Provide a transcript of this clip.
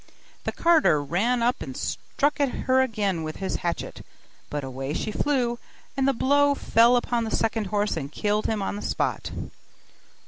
The carter ran up and struck at her again with his hatchet; but away she flew, and the blow fell upon the second horse and killed him on the spot.